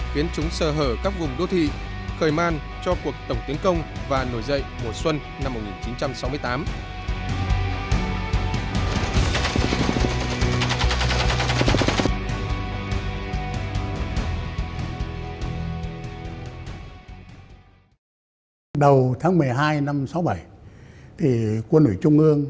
khiến chúng sờ hở các vùng đô thị khởi man cho cuộc tổng tiến công và nổi dậy mùa xuân năm một nghìn chín trăm sáu mươi tám